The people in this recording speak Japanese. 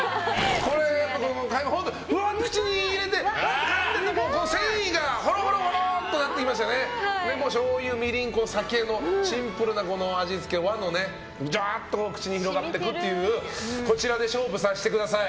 これ、口に入れて繊維がほろほろってなってきましてしょうゆ、みりん、酒の和のシンプルな味付けがじゅわーって広がっていくというこちらで勝負させてください。